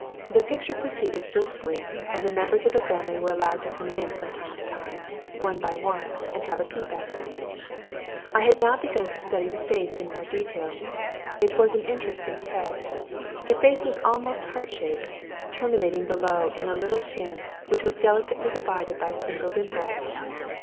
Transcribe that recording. The picture proceeded briskly, and the members of the family were allowed to come in from time to time, one by one, and have a peep at it. I had now begun to study the face more in detail. It was an interesting head. The face was almost heart shaped, terminating below in a little chin which was delicately divided by a single dimple.